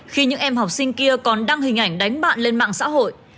khi những em học sinh kia còn đăng hình ảnh đánh bạn lên mạng xã hội